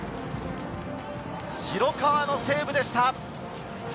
広川のセーブでした。